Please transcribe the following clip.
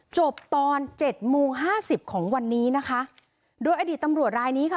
จบตอนเจ็ดโมงห้าสิบของวันนี้นะคะโดยอดีตตำรวจรายนี้ค่ะ